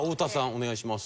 お願いします。